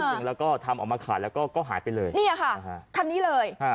หนึ่งแล้วก็ทำออกมาขายแล้วก็ก็หายไปเลยเนี่ยค่ะฮะคันนี้เลยอ่า